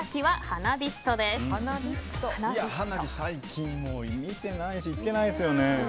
花火、最近見てないし行ってないんですよね。